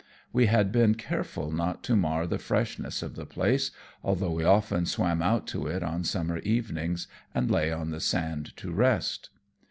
We had been careful not to mar the freshness of the place, although we often swam out to it on summer evenings and lay on the sand to rest.